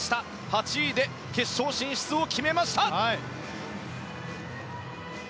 ８位で決勝進出を決めました。